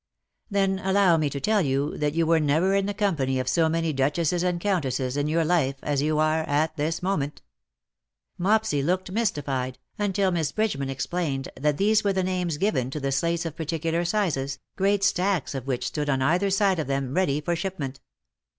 " Then allow me to tell you that you were never in the company of so many duchesses and countesses in your life as you are at this moment/^ Mopsy looked mystified, until Miss Bridgeman explained that these were the names given to slates of particular sizes, great stacks of which, stood on either side of them ready for shipment.